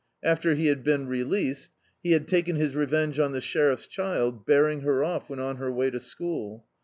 After he had been released, he had taken his revenge on the sheriff's child, bearing her off when on her way to school.